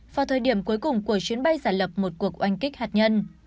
vào thời điểm cuối cùng của chuyến bay giả lập một cuộc oanh kích hạt nhân